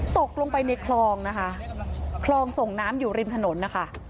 ตกลงไปในคลองนะคะคลองส่งน้ำอยู่ริมถนนนะคะ